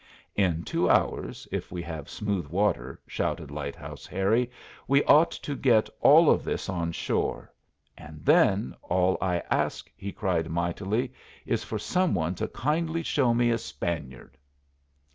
"In two hours, if we have smooth water," shouted Lighthouse Harry, "we ought to get all of this on shore. And then, all I ask," he cried mightily, "is for some one to kindly show me a Spaniard!"